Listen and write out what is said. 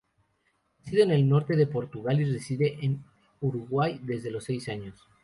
Nacido en el norte de Portugal, reside en Uruguay desde los seis años.